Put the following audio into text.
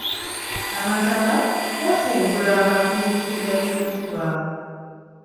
Amataba gaasengula abantu mu biseera by'enkuba.